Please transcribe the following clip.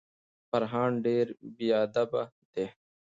فرهان ډیر بیادبه دی.